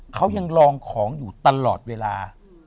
เขายังลองของอยู่ตลอดเวลา